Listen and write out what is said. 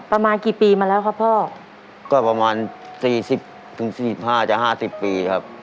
ประมาณกี่ปีมาแล้วครับพ่อก็ประมาณสี่สิบถึงสี่สิบห้าจะห้าสิบปีครับ